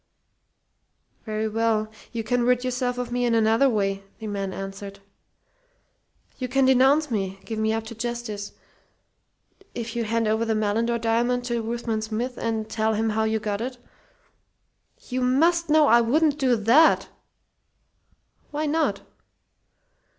"Very well, you can rid yourself of me in another way," the man answered. "You can denounce me give me up to 'justice.' If you hand over the Malindore diamond to Ruthven Smith and tell him how you got it " "You must know I wouldn't do that!" "Why not?"